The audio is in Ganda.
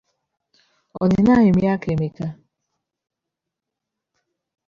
Olina emyaka emmeka?